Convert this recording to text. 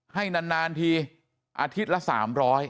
ให้นานทีอาทิตย์ละ๓๐๐